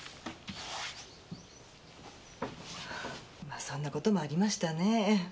まそんな事もありましたねぇ。